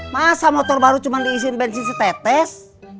masa motor baru cuman diisiin bensin setetes